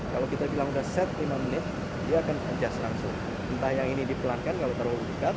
kalau kita bilang sudah set lima menit dia akan adjust langsung entah yang ini dipelankan kalau terlalu dekat